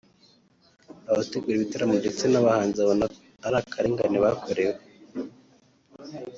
Abategura ibitaramo ndetse n’abahanzi babona ari akarengane bakorewe